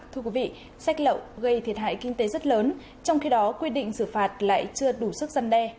thưa quý vị sách lậu gây thiệt hại kinh tế rất lớn trong khi đó quy định xử phạt lại chưa đủ sức gian đe